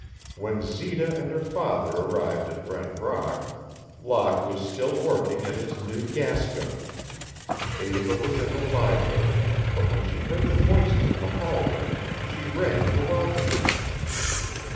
When Zita and her father arrived at Brent Rock, Locke was still working at his new gas gun. Eva was in the library, but when she heard the voices in the hallway she ran to welcome them.